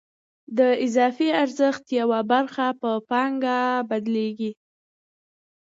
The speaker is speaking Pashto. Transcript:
د اضافي ارزښت یوه برخه په پانګه بدلېږي